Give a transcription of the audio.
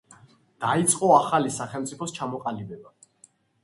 დაიწყო ახალი სახელმწიფოს ჩამოყალიბება.